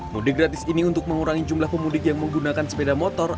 mudik gratis ini untuk mengurangi jumlah pemudik yang menggunakan sepeda motor